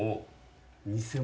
偽物？